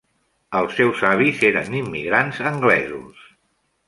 Els seus avis eren immigrants anglesos.